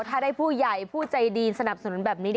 ถ้าได้ผู้ใหญ่ผู้ใจดีสนับสนุนแบบนี้